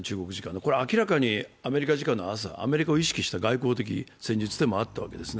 これは明らかにアメリカ時間の朝、アメリカを意識した外交的戦術でもあったわけですね。